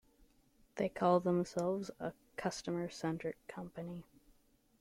They call themselves a customer-centric company.